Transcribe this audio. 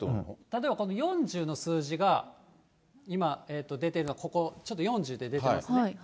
例えばこの４０の数字が今、出ているのがここ、４０って出てますね。